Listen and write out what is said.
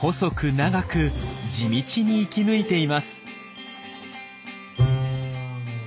長く地道に生き抜いています。